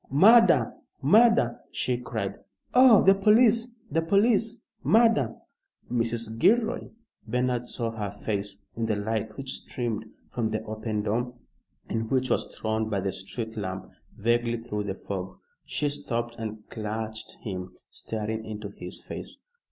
Murder! Murder!" she cried. "Oh, the police the police! Murder!" "Mrs. Gilroy!" Bernard saw her face in the light which streamed from the open door, and which was thrown by the street lamp vaguely through the fog. She stopped and clutched him, staring into his face.